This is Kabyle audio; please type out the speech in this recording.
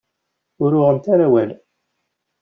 Ur uɣent ara awal.